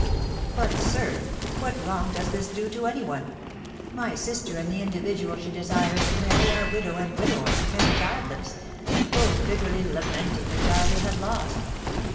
"But, sir, what wrong does this do to any one? My sister and the individual she desires to marry are widow and widower, and childless, both bitterly lamenting the child they have lost.